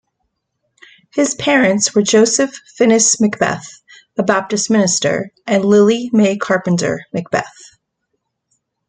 His parents were Joseph Phinis McBeth, a Baptist minister, and Lillie May Carpenter McBeth.